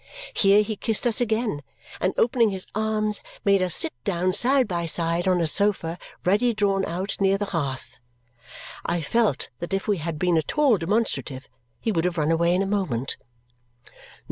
Here he kissed us again, and opening his arms, made us sit down side by side on a sofa ready drawn out near the hearth. I felt that if we had been at all demonstrative, he would have run away in a moment.